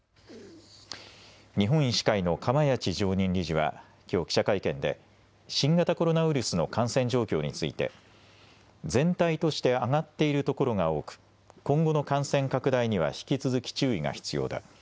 日本医師会の釜萢常任理事はきょう記者会見で新型コロナウイルスの感染状況について全体として上がっているところが多く、今後の感染拡大には引き続き注意が必要だ。